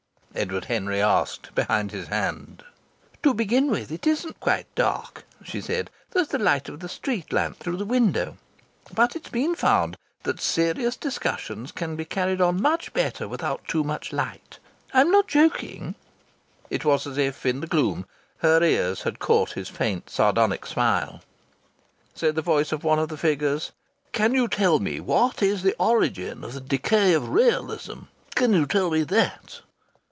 Edward Henry asked behind his hand. "To begin with, it isn't quite dark," she said. "There's the light of the street lamp through the window. But it has been found that serious discussions can be carried on much better without too much light.... I'm not joking." (It was as if in the gloom her ears had caught his faint sardonic smile.) Said the voice of one of the figures: "Can you tell me what is the origin of the decay of realism? Can you tell me that?"